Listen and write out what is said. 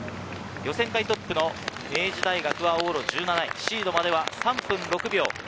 予選会トップの明治大学は往路１７位、シードまでは３分６秒。